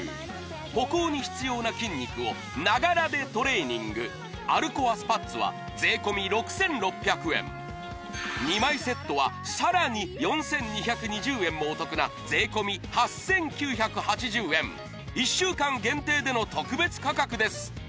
歩行に必要な筋肉をながらでトレーニング歩コアスパッツは税込６６００円２枚セットはさらに４２２０円もお得な税込８９８０円１週間限定での特別価格です